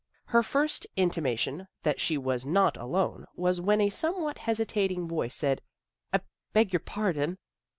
Her first intimation that she was not alone was when a somewhat hesitating voice said, " I beg your pardon."